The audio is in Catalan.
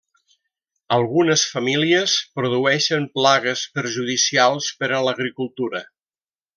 Algunes famílies produeixen plagues perjudicials per a l'agricultura.